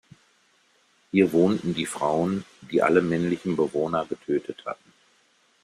Hier wohnten die Frauen, die alle männlichen Bewohner getötet hatten.